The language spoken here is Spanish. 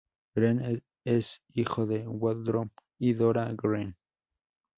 Green es hijo de Woodrow y Dora Green.